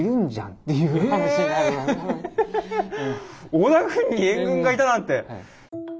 織田軍に援軍がいたなんて！